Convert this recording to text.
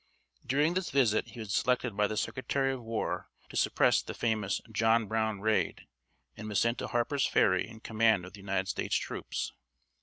During this visit he was selected by the Secretary of War to suppress the famous "John Brown Raid," and was sent to Harper's Ferry in command of the United States troops.